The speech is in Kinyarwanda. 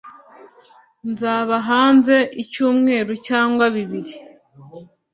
Nzaba hanze icyumweru cyangwa bibiri.